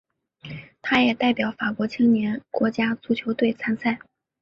他也代表法国青年国家足球队参赛。